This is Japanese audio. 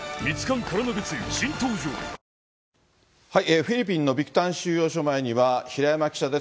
フィリピンのビクタン収容所前には、平山記者です。